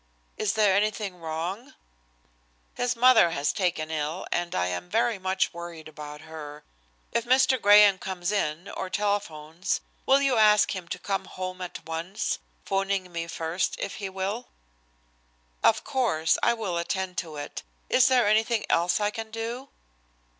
Is there anything wrong?" "His mother has been taken ill and I am very much worried about her. If Mr. Graham comes in or telephones will you ask him to come home at once, 'phoning me first if he will." "Of course I will attend to it. Is there anything else I can do?"